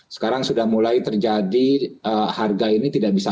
sekarang sudah mulai terjadi harga ini tidak bisa